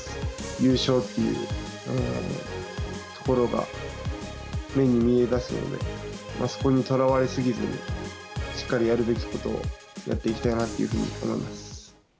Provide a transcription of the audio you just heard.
優勝っていうところが目に見えだすので、そこにとらわれ過ぎずに、しっかりやるべきことをやっていきたいなというふうに思います。